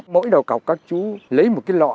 mỗi đầu cọc các chú lấy một cái lọ